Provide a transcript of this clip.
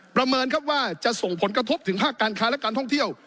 ประเมินครับว่าจะส่งผลกระทบถึงภาคการค้าและการท่องเที่ยว